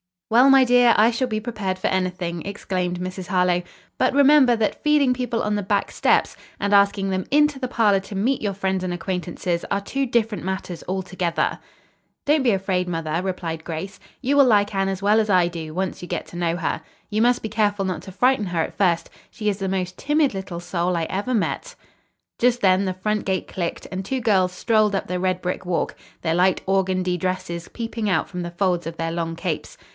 "Well, my dear, I shall be prepared for anything," exclaimed Mrs. Harlowe; "but remember that feeding people on the back steps and asking them into the parlor to meet your friends and acquaintances are two different matters altogether." "Don't be afraid, mother," replied Grace. "You will like Anne as well as I do, once you get to know her. You must be careful not to frighten her at first. She is the most timid little soul I ever met." Just then the front gate clicked and two girls strolled up the red brick walk, their light organdie dresses peeping out from the folds of their long capes.